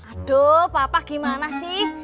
aduh papa gimana sih